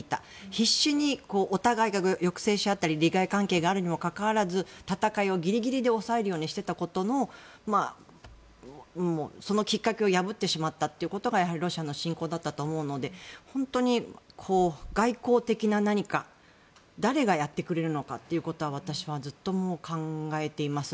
必死にお互いが抑制し合ったり利害関係があるにもかかわらず戦いをギリギリで抑えるようにしていたことのそのきっかけを破ってしまったということがロシアの侵攻だったと思うので本当に外交的な何か誰がやってくれるのかということは私はずっと考えています。